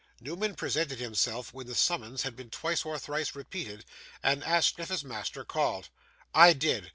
Newman presented himself when the summons had been twice or thrice repeated, and asked if his master called. 'I did.